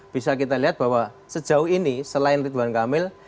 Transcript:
bisa kita lihat bahwa sejauh ini selain ridwan kamil